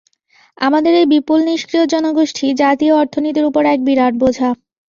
আমাদের এই বিপুল নিষ্ক্রিয় জনগোষ্ঠী জাতীয় অর্থনীতির ওপর এক বিরাট বোঝা।